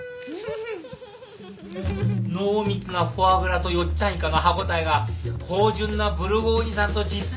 濃密なフォアグラとよっちゃんいかの歯応えが芳醇なブルゴーニュ産と実に合うね。